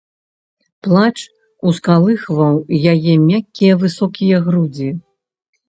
Плач ускалыхваў яе мяккія высокія грудзі.